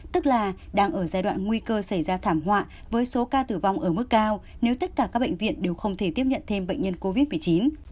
tức là đang ở giai đoạn nguy cơ xảy ra thảm họa với số ca tử vong ở mức cao nếu tất cả các bệnh viện đều không thể tiếp nhận thêm bệnh nhân covid một mươi chín